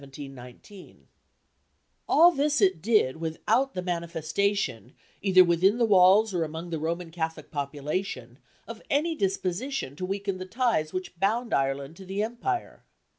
All this it did without the manifestation, either within the walls or among the Roman Catholic population, of any disposition to weaken the ties which bound Ireland to the empire.